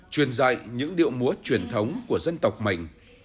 truyền dạy những điệu múa truyền thống của dân tộc mình